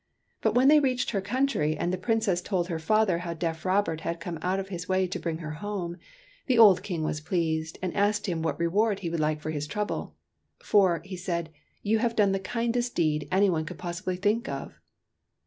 But when they reached her country and the Princess told her father how deaf Rob ert had come out of his way to bring her home, the old King was pleased, and asked him what reward he would like for his trouble. " For," he said, '' you have done the kindest deed any one could possibly think of."